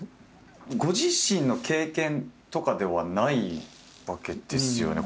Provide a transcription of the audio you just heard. ご自身の経験とかではないわけですよね？